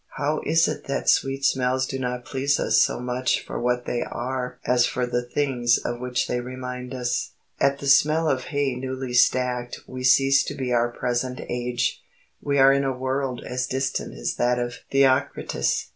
How is it that sweet smells do not please us so much for what they are as for the things of which they remind us? At the smell of hay newly stacked we cease to be our present age; we are in a world as distant as that of Theocritus.